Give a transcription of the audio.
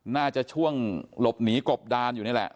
น่าจะช่วงหลบหนีกบดานอยู่นี่แหละ